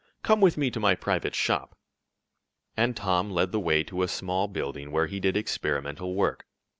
Come with me to my private shop," and Tom led the way to a small building where he did experimental work.